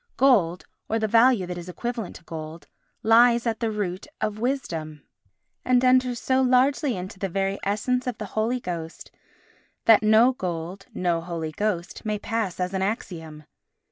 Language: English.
Gold, or the value that is equivalent to gold, lies at the root of Wisdom, and enters so largely into the very essence of the Holy Ghost that "No gold, no Holy Ghost" may pass as an axiom.